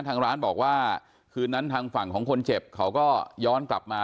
ทางร้านบอกว่าคืนนั้นทางฝั่งของคนเจ็บเขาก็ย้อนกลับมา